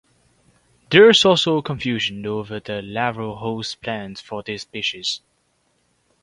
There is also confusion over the larval host plants for this species.